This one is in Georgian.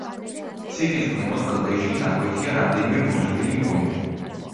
ციხის ქვემოთ, კლდეში ნაკვეთია რამდენიმე მოზრდილი მღვიმე.